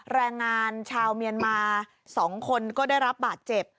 แรงงานชาวเมียนมา๒คนก็ได้รับบาดเจ็บ